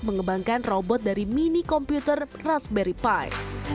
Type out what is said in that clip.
mengembangkan robot dari mini komputer raspberry pie